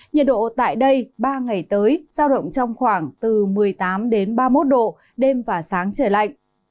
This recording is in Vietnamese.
nhiệt độ tại đây ba ngày tới sao động trong khoảng từ một mươi tám đến ba mươi một độ đêm và sáng trời lạnh